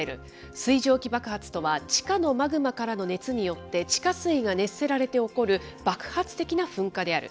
水蒸気爆発とは、地下のマグマからの熱によって、地下水が熱せられて起こる爆発的な噴火である。